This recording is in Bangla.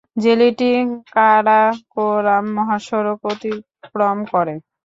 জেলাটি কারাকোরাম মহাসড়ক অতিক্রম করে।